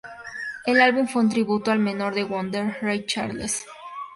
El álbum fue un tributo al mentor de Wonder, Ray Charles.